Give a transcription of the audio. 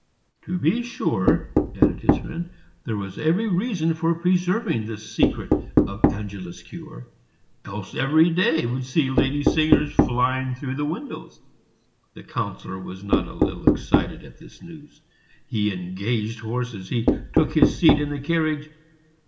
"To be sure," added his friend, "there was every reason for preserving the secret of Angela's cure, else every day would see lady singers flying through windows." The Councillor was not a little excited at this news; he engaged horses; he took his seat in the carriage.